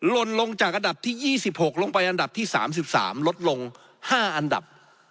ลนลงจากอันดับที่๒๖ลงไปอันดับที่๓๓ลดลง๕อันดับ